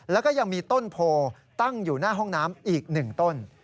แล้วก็ยังมีต้นโพตั้งอยู่หน้าห้องน้ำอีก๑ต้น